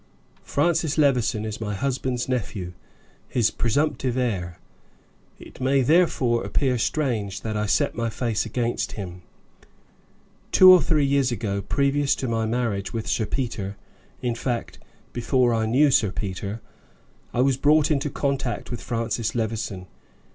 Francis Levison is my husband's nephew, his presumptive heir; it may, therefore, appear strange that I set my face against him. Two or three years ago, previous to my marriage with Sir Peter, in fact before I knew Sir Peter, I was brought into contact with Francis Levison.